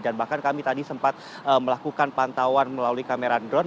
dan bahkan kami tadi sempat melakukan pantauan melalui kamera drone